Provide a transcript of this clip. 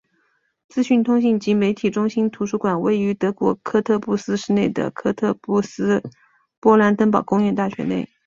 资讯通信及媒体中心图书馆位于德国科特布斯市内的科特布斯勃兰登堡工业大学内。